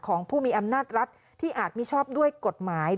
ของผู้มีอำนาจรัฐที่อาจมิชอบด้วยกฎหมาย